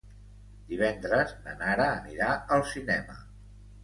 Divendres na Nara anirà al cinema.